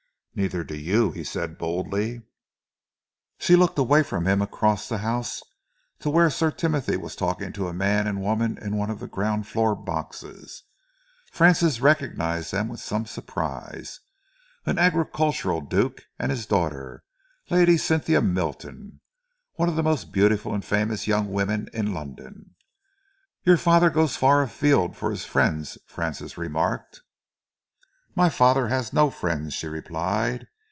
"Neither do you," he said boldly. She looked away from him across the House, to where Sir Timothy was talking to a man and woman in one of the ground floor boxes. Francis recognised them with some surprise an agricultural Duke and his daughter, Lady Cynthia Milton, one of the most, beautiful and famous young women in London. "Your father goes far afield for his friends," Francis remarked. "My father has no friends," she replied.